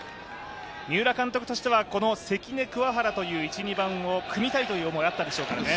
三浦監督としては、関根、桑原という１・２番を組みたいという思いはあったでしょうからね。